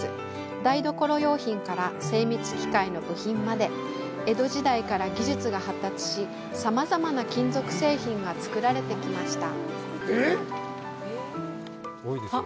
台所用品から精密機械の部品まで、江戸時代から技術が発達し、さまざまな金属製品が作られてきました。